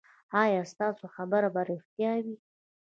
ایا ستاسو خبر به ریښتیا وي؟